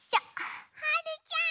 はるちゃん！